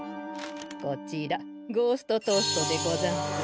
こちらゴーストトーストでござんす。